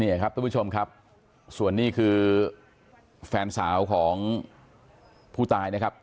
นี่ครับทุกผู้ชมครับส่วนนี้คือแฟนสาวของผู้ตายนะครับ